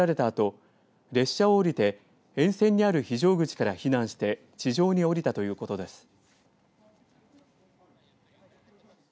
あと列車を降りて沿線にある非常口から避難して地上に降りたということです。